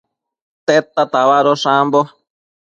Tedta tabadosh ambo?